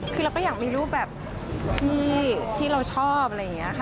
คือเราก็อยากมีรูปแบบที่เราชอบอะไรอย่างนี้ค่ะ